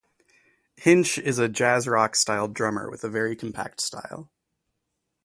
Hinch is a jazz-rock styled drummer with a very compact style.